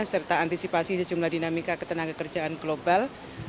serta antisipasi sejumlah dinamika ketenaga kerjaan global